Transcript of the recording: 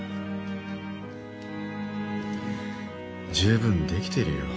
十分できてるよ。